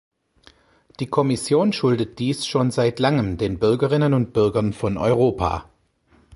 Die Kommission schuldet dies schon seit langem den Bürgerinnen und Bürgern von Europa.